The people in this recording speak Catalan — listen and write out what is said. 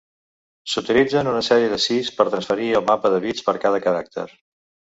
S'utilitzen una sèrie de sis per transferir el mapa de bits per a cada caràcter.